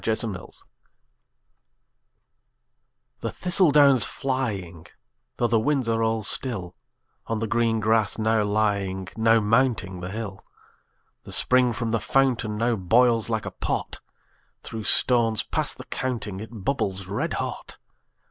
Autumn The thistle down's flying, though the winds are all still, On the green grass now lying, now mounting the hill, The spring from the fountain now boils like a pot; Through stones past the counting it bubbles red hot.